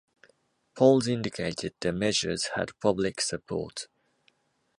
Polls indicated the measures had public support.